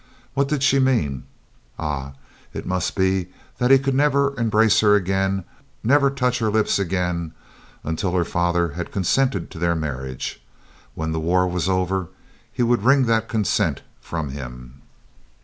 What did she mean? Ah! it must be that he could never embrace her again, never touch her lips again, until her father had consented to their marriage. When the war was over he would wring that consent from him.